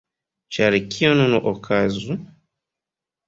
Ĉar kio nun okazu?